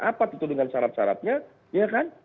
apa ditutup dengan syarat syaratnya